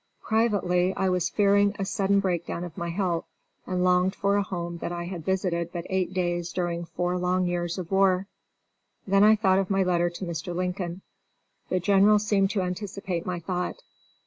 Privately, I was fearing a sudden break down of my health, and longed for a home that I had visited but eight days during four long years of war. Then I thought of my letter to Mr. Lincoln. The General seemed to anticipate my thought.